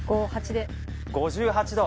５８度。